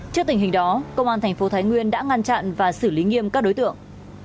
trước tình hình đó công an thành phố thái nguyên đã ngăn chặn và xử lý nghiêm các đối tượng